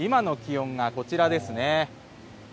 今の気温がこちらです。